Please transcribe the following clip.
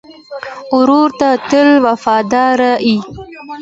ورور ته تل وفادار یې.